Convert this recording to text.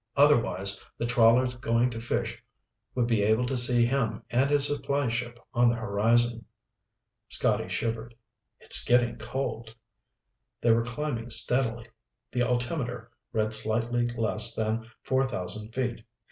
Otherwise, the trawlers going to fish would be able to see him and his supply ship on the horizon." Scotty shivered. "It's getting cold." They were climbing steadily. The altimeter read slightly less than four thousand feet.